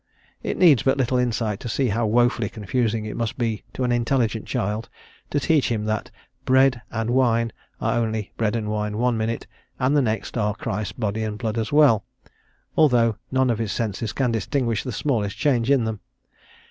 It needs but little insight to see how woefully confusing it must be to an intelligent child to teach him that bread and wine are only bread and wine one minute and the next are Christ's body and blood as well, although none of his senses can distinguish the smallest change in them.